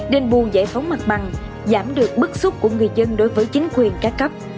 nên buôn giải phóng mặt bằng giảm được bức xúc của người dân đối với chính quyền ca cấp